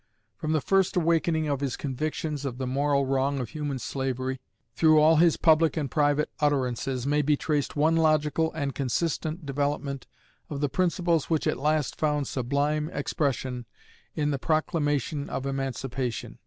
From the first awakening of his convictions of the moral wrong of human slavery, through all his public and private utterances, may be traced one logical and consistent development of the principles which at last found sublime expression in the Proclamation of Emancipation.